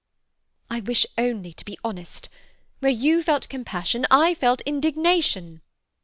"I wish only to be honest. Where you felt compassion I felt indignation."